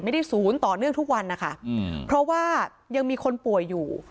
ศูนย์ต่อเนื่องทุกวันนะคะอืมเพราะว่ายังมีคนป่วยอยู่